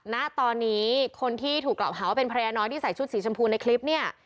ณตอนนี้คนที่ถูกกล่าวหาว่าเป็นภรรยาน้อยที่ใส่ชุดสีชมพูในคลิปเนี่ย